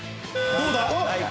どうだ？